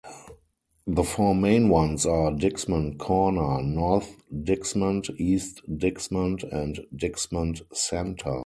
The four main ones are Dixmont Corner, North Dixmont, East Dixmont, and Dixmont Center.